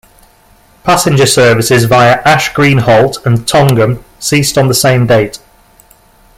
Passenger services via Ash Green Halt and Tongham ceased on the same date.